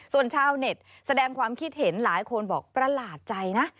ส่วนชาวเน็ตแสดงความคิดเห็นหลายคนบอกประหลาดใจนะ